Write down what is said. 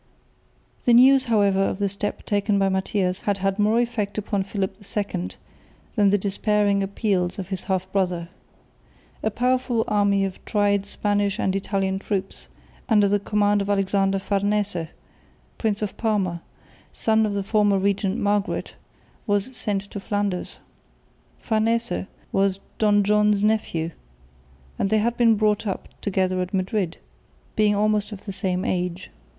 The news however of the step taken by Matthias had had more effect upon Philip II than the despairing appeals of his half brother. A powerful army of tried Spanish and Italian troops under the command of Alexander Farnese, Prince of Parma, son of the former regent Margaret, was sent to Flanders. Farnese was Don John's nephew, and they had been brought up together at Madrid, being almost of the same age.